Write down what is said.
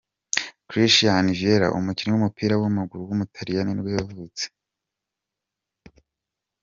Christian Vieri, umukinnyi w’umupira w’amaguru w’umutaliyani nibwo yavutse.